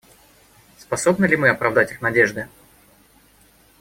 Способны ли мы оправдать их надежды?